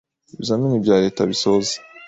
ibizamini bya Leta bisoza